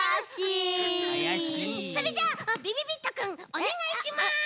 それじゃあびびびっとくんおねがいします！